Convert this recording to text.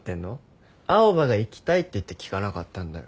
青羽が行きたいっていってきかなかったんだよ。